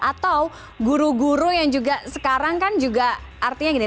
atau guru guru yang juga sekarang kan juga artinya gini